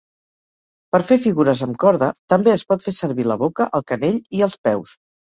Per fer figures amb corda també es pot fer servir la boca, el canell i els peus.